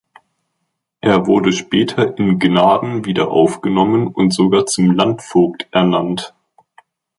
Er wurde später in Gnaden wieder aufgenommen und sogar zum Landvogt ernannt.